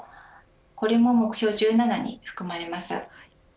これも、目標１７に含まれます。